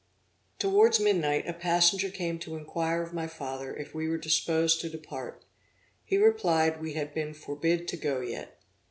Towards midnight, a passenger came to inquire of my father if we were disposed to depart; he replied, we had been forbid to go yet.